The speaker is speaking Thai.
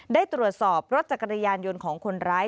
ได้ตรวจสอบรถจักรยานยนต์ของคนร้าย